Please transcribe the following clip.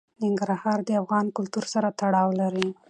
ننګرهار د افغان کلتور سره تړاو لري.